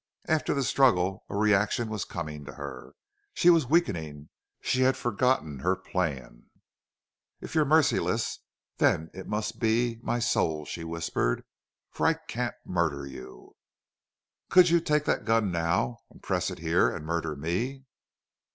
After the struggle a reaction was coming to her. She was weakening. She had forgotten her plan. "If you're merciless then it must be my soul," she whispered. "For I CAN'T murder you.... Could you take that gun now and press it here and murder ME?"